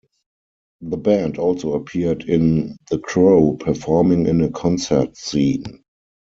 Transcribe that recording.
The band also appeared in "The Crow" performing in a concert scene.